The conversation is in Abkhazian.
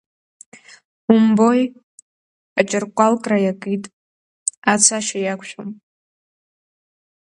Умбои, аҷыркәалкра иакит, ацашьа иақәшәом.